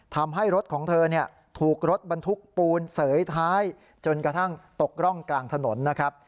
ทำให้รถของเธอถูกรถบรรทุกปูนเสยท้ายจนกระทั่งตกร่องกลางถนนนะครับ